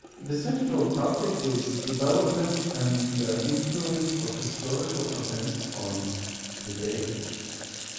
The central topic was development and the influence of historical events on today.